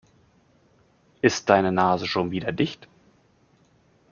Ist deine Nase schon wieder dicht?